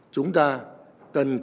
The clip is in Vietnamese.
chúng ta cần tiếp tục